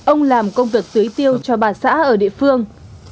ông làm công việc tưới tiêu cho bà xã ở địa phương